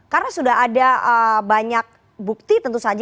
karena sudah ada banyak bukti tentu saja